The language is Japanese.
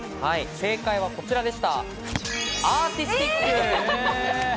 正解はこちらです。